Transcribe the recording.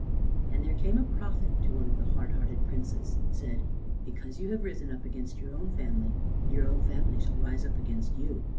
And there came a prophet to one of the hard hearted Princes and said, "Because you have risen up against your own family, your own family shall rise up against you.